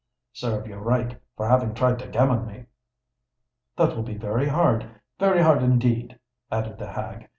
"Serve you right for having tried to gammon me." "That will be very hard—very hard indeed," added the hag.